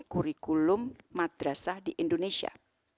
kurikulum madrasah di indonesia